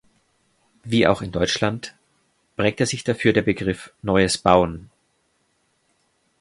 Wie auch in Deutschland prägte sich dafür der Begriff "Neues Bauen".